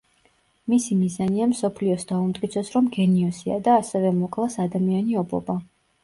მისი მიზანია მსოფლიოს დაუმტკიცოს რომ გენიოსია და ასევე მოკლას ადამიანი ობობა.